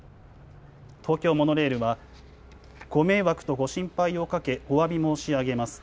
東京モノレールはご迷惑とご心配をかけおわび申し上げます。